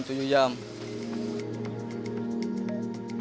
masih ada yang nge review